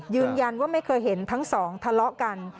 ยืนยันว่าไม่เคยเห็นทั้ง๒ทะเลาะกัน